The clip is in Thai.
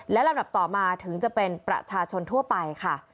และลำดับต่อมาถึงจะเป็นประชาชนทั่วไปค่ะ